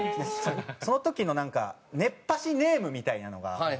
その時のなんか熱波師ネームみたいなのが。